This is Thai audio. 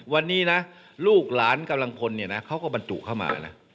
วันนี้นะลูกหลานกำลังพลเนี่ยนะเขาก็บรรจุเข้ามานะ